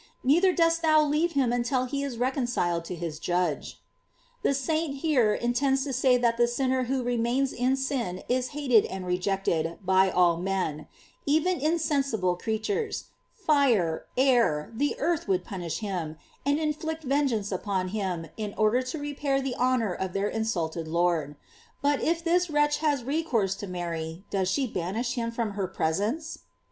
neither dost thou leave him until he is reconciled to his Judgelf The saint here intends to say that the sinner who remains in sin is hated and rejected by all men; even insensible creatures, fire, air, the earth would punish him, and inflict vengeance upon him in order to repair the honor of their in sulted Lord. But if this wretch has recourse to Mary, does she banish him from her presence?